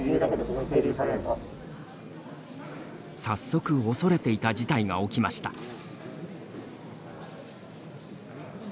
早速、恐れていた事態が起きました。